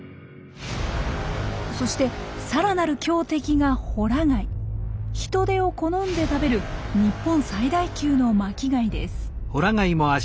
そしてさらなる強敵がヒトデを好んで食べる日本最大級の巻き貝です。